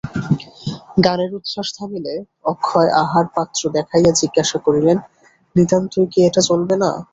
গানের উচ্ছ্বাস থামিলে অক্ষয় আহারপাত্র দেখাইয়া জিজ্ঞাসা করিলেন, নিতান্তই কি এটা চলবে না?